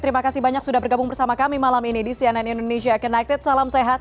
terima kasih banyak sudah bergabung bersama kami malam ini di cnn indonesia connected salam sehat